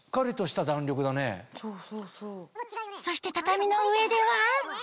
そして畳の上では？